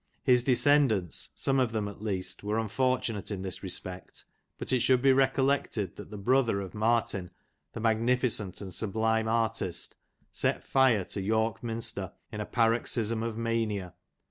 His descendants, some of them at least, were unfortunate in this respect, but it should be recollected that the brother of Martin, the magnificent and sublime artist, set fire to York Minster, in a paroxysm of mania.